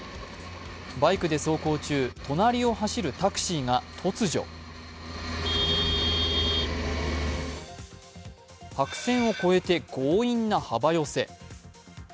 バイクで走行中隣を走るタクシーが突如白線を越えて強引な幅寄せ。